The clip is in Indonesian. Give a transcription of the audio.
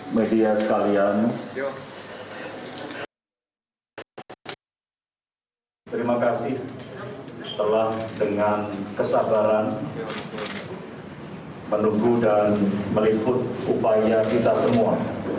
media sekalian terima kasih telah dengan kesabaran menunggu dan meliput upaya kita semua